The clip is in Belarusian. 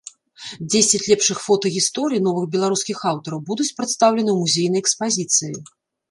Дзесяць лепшых фотагісторый новых беларускіх аўтараў будуць прадстаўлены ў музейнай экспазіцыі.